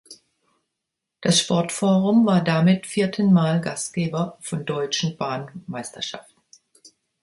Das Sportforum war damit vierten Mal Gastgeber von deutschen Bahnmeisterschaften.